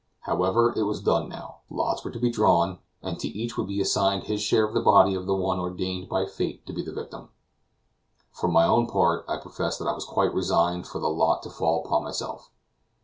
However, it was done now; lots were to be drawn, and to each would be assigned his share of the body of the one ordained by fate to be the victim. For my own part, I profess that I was quite resigned for the lot to fall upon myself.